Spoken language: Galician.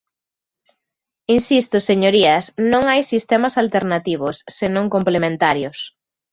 Insisto, señorías, non hai sistemas alternativos, senón complementarios.